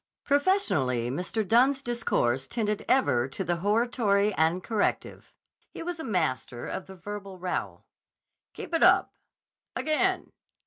Professionally Mr. Dunne's discourse tended ever to the hortatory and corrective. He was a master of the verbal rowel. "Keep it up!" "Again!"